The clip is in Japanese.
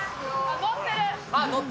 乗ってる。